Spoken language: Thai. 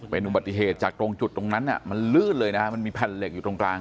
เป็นอุบัติเหตุจากตรงจุดตรงนั้นมันลื่นเลยนะฮะมันมีแผ่นเหล็กอยู่ตรงกลาง